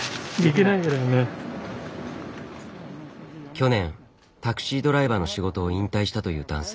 去年タクシードライバーの仕事を引退したという男性。